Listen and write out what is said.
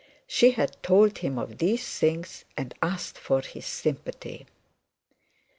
She had told him of these things, and asked for his sympathy.